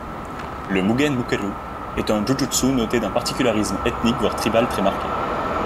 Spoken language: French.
Le Mugen mukeru est un jūjutsu doté d'un particularisme ethnique voire tribal très marqué.